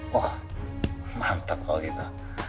wah mantep kalau gitu